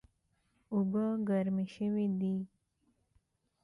اوبه ګرمې شوې دي